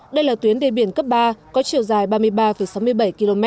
đây là tuyến đê biển cấp ba có chiều dài ba mươi ba sáu mươi bảy km